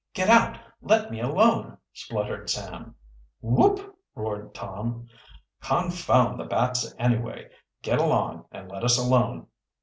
"Get out! Let me alone!" spluttered Sam. "Whoop!" roared Tom. "Confound the bats anyway! Get along and let us alone!"